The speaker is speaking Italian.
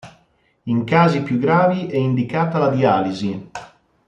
In casi più gravi è indicata la dialisi.